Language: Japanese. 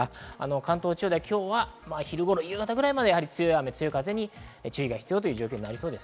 関東地方では今日は昼頃、夕方ぐらいまで、強い雨、強い風に注意が必要です。